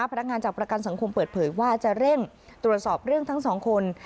พนักงานจากประกันสังคมเปิดเผยว่าจะเร่งตรวจสอบเรื่องทั้งสองคน